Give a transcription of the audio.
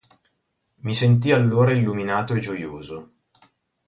Mi sentì allora illuminato e gioioso".